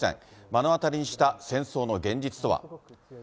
目の当たりにした戦争の現実とは。